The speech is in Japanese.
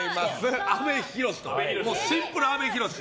阿部寛と、シンプル阿部寛。